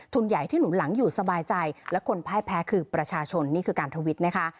ใหญ่ที่หนุนหลังอยู่สบายใจและคนพ่ายแพ้คือประชาชนนี่คือการทวิตนะคะ